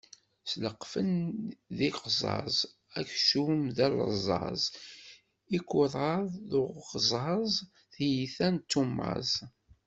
Sleqfen d iqzaẓ, aksum d aleẓẓaẓ, ikukaḍ d uɣẓaẓ, tiyita n tummaẓ.